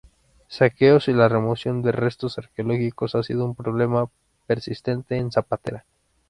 Saqueos y la remoción de restos arqueológicos ha sido un problema persistente en Zapatera.